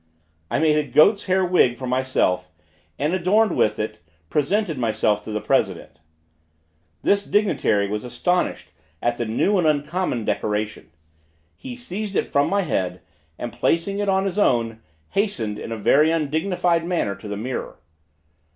I made a goat's hair wig for myself, and adorned with it, presented myself to the president. This dignitary was astonished at the new and uncommon decoration. He seized it from my head, and placing it on his own, hastened in a very undignified manner to the mirror.